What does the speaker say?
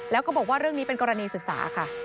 แล้วก็บอกว่าเรื่องนี้เป็นกรณีศึกษาค่ะ